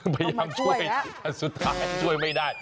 พยายามช่วยแต่สุดท้ายช่วยไม่ได้